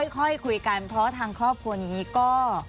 ค่อยคุยกันเพราะทางครอบครัวนี้ก็